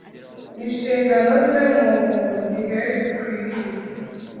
inshingano ze mu gihe gikwiriye